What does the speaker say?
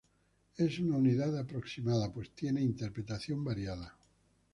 Es una unidad aproximada, pues tiene interpretación variada.